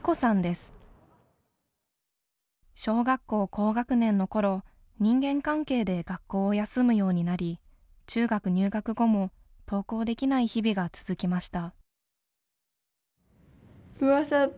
小学校高学年の頃人間関係で学校を休むようになり中学入学後も登校できない日々が続きました。